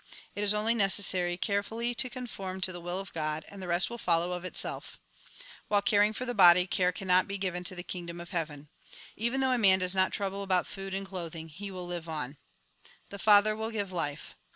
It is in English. It is only necessary carefully to conform to the will of God, and the rest will follow of itself. While caring for the body, care cannot be given to the Kingdom of Heaven. Even though a man does not trouble about food and clothing, he will live on. The Father will give life.